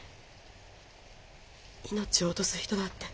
命を落とす人だって。